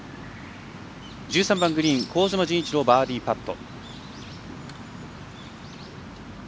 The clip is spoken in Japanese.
１３番グリーン、香妻陣一朗バーディーパット。